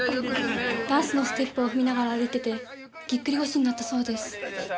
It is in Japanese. ダンスのステップを踏みながら歩いててぎっくり腰になったそうです。